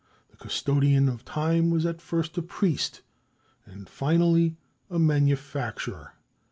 The custodian of time was at first a priest, and finally a manufacturer.